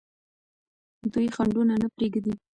دوی خنډونه نه پرېږدي.